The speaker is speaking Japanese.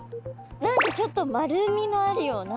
何かちょっと丸みのあるような。